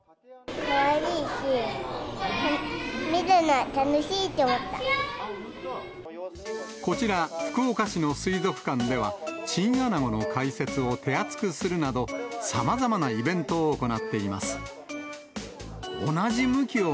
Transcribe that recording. かわいいし、見るの楽しいっこちら、福岡市の水族館では、チンアナゴの解説を手厚くするなど、さまざまなイベントを行っています。